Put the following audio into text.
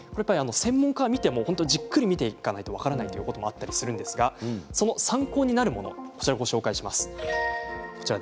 専門家が見てもじっくり見ていかないと分からないということなんですけれども参考になるものを、ご紹介します。